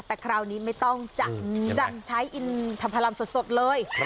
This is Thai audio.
แต่คราวนี้ไม่ต้องใช้อินทรัพย์ลำสดเลย